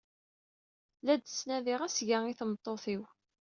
La d-ttnadiɣ asga i tmeṭṭut-iw.